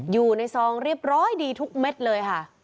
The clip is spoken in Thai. ซองเรียบร้อยดีทุกเม็ดเลยค่ะ